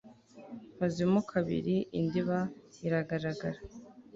Nkozemo kabiri indiba iragaragara